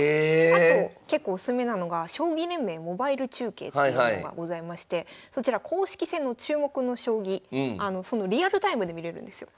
あと結構おすすめなのが将棋連盟モバイル中継っていうのがございましてそちら公式戦の注目の将棋リアルタイムで見れるんですよ。